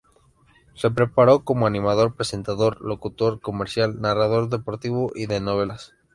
Se preparó como animador, presentador, locutor comercial, narrador deportivo y de novelas.